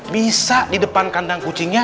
bisa di depan kandang kucingnya